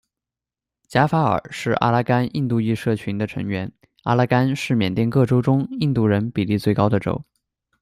贾法尔是阿拉干印度裔社区的成员，阿拉干是缅甸各州中印度人比例最高的州。